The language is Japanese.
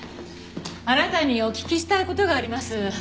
あなたにお聞きしたい事があります。